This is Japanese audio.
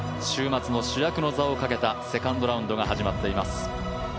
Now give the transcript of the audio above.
週末の主役の座をかけたセカンドラウンドが始まっています。